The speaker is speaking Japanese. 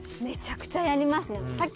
めちゃくちゃやります。